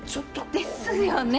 ですよね